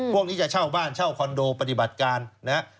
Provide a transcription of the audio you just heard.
พวกนี้จะเช่าบ้านเช่าคอนโดปฏิบัติการนะครับ